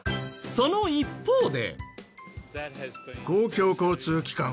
その一方で。